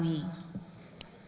saya sebagai ketua umum pada hari ini